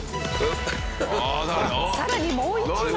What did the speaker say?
さらにもう一枚！